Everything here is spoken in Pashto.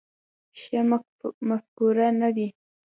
ښه مفکوره نه وي.